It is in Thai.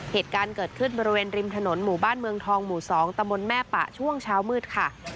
เหตุการณ์เกิดขึ้นบริเวณริมถนนหมู่บ้านเมืองทองหมู่๒ตะมนต์แม่ปะช่วงเช้ามืดค่ะ